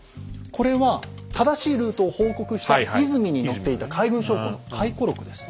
これは正しいルートを報告した「和泉」に乗っていた海軍将校の回顧録です。